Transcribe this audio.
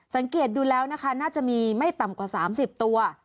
สังเกตดูแล้วนะคะน่าจะมีไม่ต่ำกว่า๓๐ตัว